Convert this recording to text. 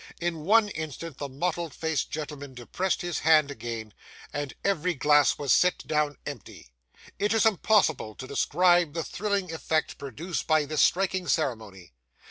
In one instant, the mottled faced gentleman depressed his hand again, and every glass was set down empty. It is impossible to describe the thrilling effect produced by this striking ceremony.